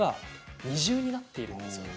二重になっているんですね。